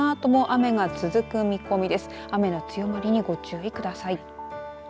雨の強まりにご注意ください。